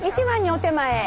１番にお点前。